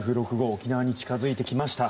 沖縄に近付いてきました。